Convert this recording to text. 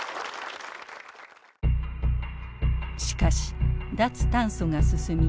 しかし脱炭素が進み